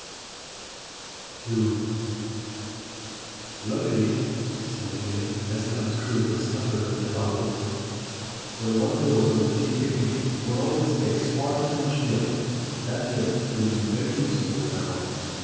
ii "LUCKILY," said William, as he unscrewed the stopper of the bottle, "when one goes on a tea picnic, one always takes far too much milk. That milk will be very useful now.